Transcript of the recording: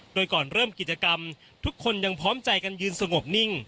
โดยก่อนเริ่มกิจกรรมทุกคนยังพร้อมใจกันยืนสงบนิ่ง